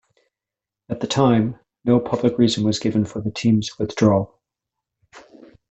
At the time, no public reason was given for the team's withdrawal.